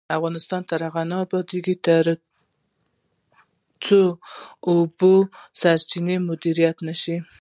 افغانستان تر هغو نه ابادیږي، ترڅو د اوبو سرچینې مدیریت نشي.